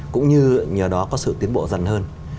cũng như nhờ đó có sự tiến bộ dần hơn